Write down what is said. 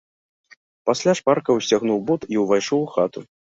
Пасля шпарка ўсцягнуў бот і ўвайшоў у хату.